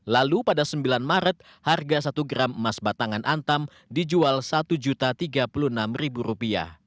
lalu pada sembilan maret harga satu gram emas batangan antam dijual rp satu tiga puluh enam